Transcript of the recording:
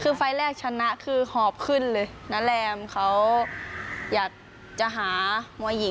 คือไฟล์ตแรกชนะคือหอบขึ้นเลย